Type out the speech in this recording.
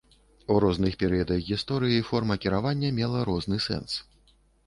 У розных перыядах гісторыі форма кіравання мела розны сэнс.